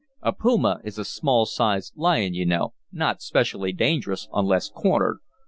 "A puma is a small sized lion, you know, not specially dangerous unless cornered.